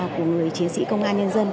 của người chiến sĩ công an nhân dân